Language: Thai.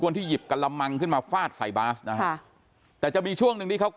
คนที่หยิบกันละมังขึ้นมาฟาดใส่บาสแต่จะมีช่วงนึงนี้เขา